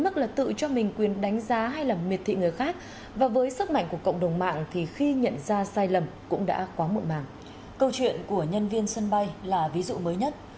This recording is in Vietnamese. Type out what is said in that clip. câu chuyện của nhân viên sân bay là ví dụ mới nhất